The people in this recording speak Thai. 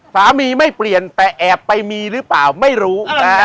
ไม่เปลี่ยนแต่แอบไปมีหรือเปล่าไม่รู้